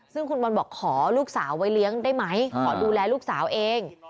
ซึ่งคุณบอลบอกขอลูกสาวไว้เลี้ยงได้ไหมขอดูแลลูกสาวเอง